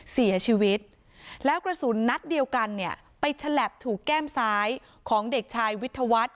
เสียชีวิตแล้วกระสุนนัดเดียวกันเนี่ยไปฉลับถูกแก้มซ้ายของเด็กชายวิทยาวัฒน์